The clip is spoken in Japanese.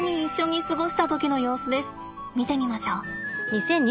見てみましょう。